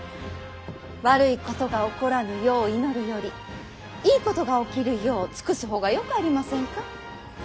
悪いことが起こらぬよう祈るよりいいことが起きるよう尽くす方がよくありませんか。